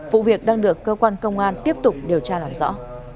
vụ việc đang được cơ quan công an tiếp tục điều tra làm rõ